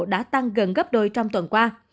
đã tăng gần gấp đôi trong tuần qua